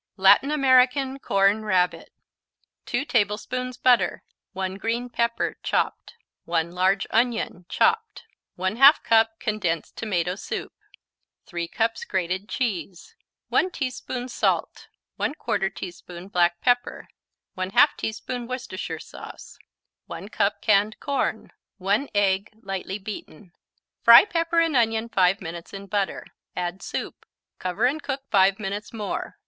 Latin American Corn Rabbit 2 tablespoons butter 1 green pepper, chopped 1 large onion, chopped 1/2 cup condensed tomato soup 3 cups grated cheese 1 teaspoon salt 1/4 teaspoon black pepper 1/2 teaspoon Worcestershire sauce 1 cup canned corn 1 egg, lightly beaten Fry pepper and onion 5 minutes in butter; add soup, cover and cook 5 minutes more.